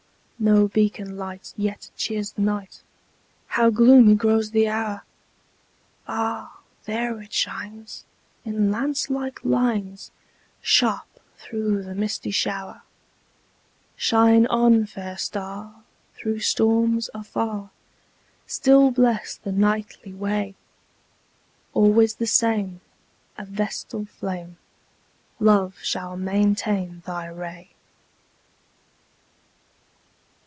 No beacon light yet cheers the night: How gloomy grows the hour! Ah! there it shines, in lance like lines, Sharp through the misty shower. Shine on, fair star, through storms, afar! Still bless the nightly way! Always the same, a vestal flame, Love shall maintain thy ray.